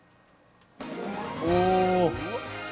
お！